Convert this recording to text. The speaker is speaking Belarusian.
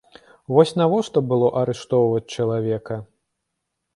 Вось навошта было арыштоўваць чалавека?